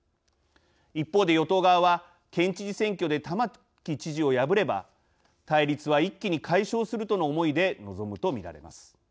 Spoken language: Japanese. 一方で与党側は、県知事選挙で玉城知事を破れば対立は一気に解消するとの思いで臨むと見られます。